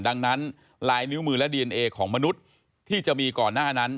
ดังนั้นลายนิ้วมือและดีเอนเอของมนุษย์ที่จะมีก่อนหน้านั้น